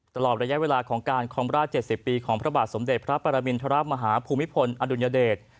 ตลอดระยะเวลาของการครองราช๗๐ปีของพระบาทสมเด็จพระปรมินทรมาฮาภูมิพลอดุลยเดช